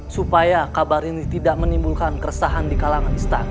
supaya kabar ini tidak menimbulkan keresahan di kalung